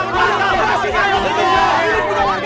masih ada orang